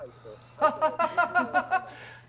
ハハハハ。